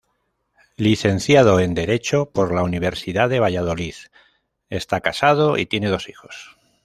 Licenciado en Derecho por la Universidad de Valladolid, está casado y tiene dos hijos.